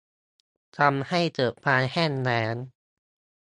ทำให้เกิดความแห้งแล้ง